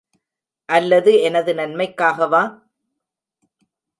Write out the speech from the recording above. அல்லது எனது நன்மைக்காகவா?